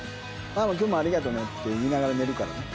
ママ、きょうもありがとねって言いながら寝るからね。